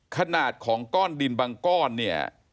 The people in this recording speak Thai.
ขนาดของก้อนดินบางก้อนเนี่ย